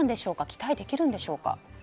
期待できるんでしょうか？